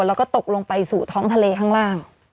แล้วก็ตกลงไปสู่ท้องทะเลข้างล่าง